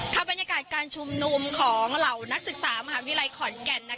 บรรยากาศการชุมนุมของเหล่านักศึกษามหาวิทยาลัยขอนแก่น